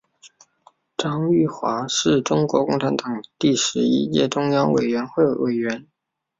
张玉华是中国共产党第十一届中央委员会委员。